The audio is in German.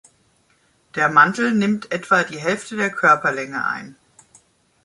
Der Mantel nimmt etwa die Hälfte der Körperlänge ein.